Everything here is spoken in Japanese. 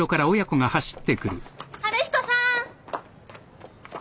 春彦さん！